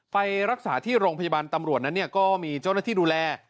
ไปรักษาที่โรงพยาบาลตำรวจนั้นก็มีเจ้าหน้าที่ดูแล